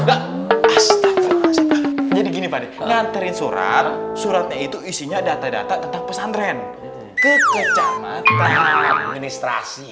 ah jadi gini pak nganterin surat suratnya itu isinya data data tentang pesantren ke kecamatan administrasi